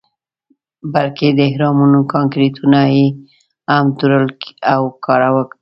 بلکې د اهرامونو کانکریټونه یې هم توږل او کاواکه کړل.